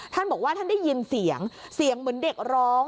ท่านบอกว่าท่านได้ยินเสียงเสียงเหมือนเด็กร้อง